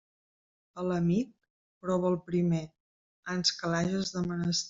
A l'amic, prova'l primer, ans que l'hages de menester.